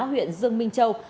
huyện dương minh châu